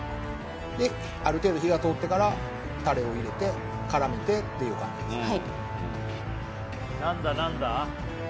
である程度火がとおってからタレを入れて絡めてっていう感じですか